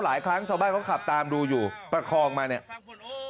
หลายครั้งชาวบ้านเขาขับตามดูอยู่ประคองมาเนี่ย